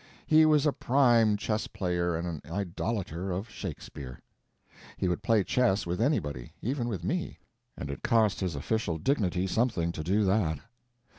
He was a prime chess player and an idolater of Shakespeare. He would play chess with anybody; even with me, and it cost his official dignity something to do that.